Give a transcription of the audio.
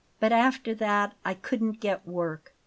But after that I couldn't get work.